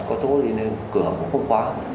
có chỗ thì cửa cũng không khóa